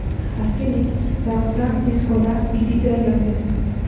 Azkenik, San Frantziskora bizitzera joan zen.